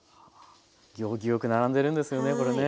行儀よく並んでるんですよねこれね。